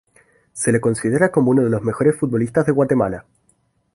Se le considera como uno de los mejores futbolistas de Guatemala.